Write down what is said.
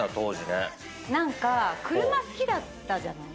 何か車好きだったじゃない。